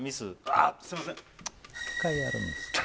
あっすいません